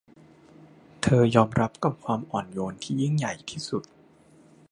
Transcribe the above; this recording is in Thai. เธอยอมรับกับความอ่อนโยนที่ยิ่งใหญ่ที่สุด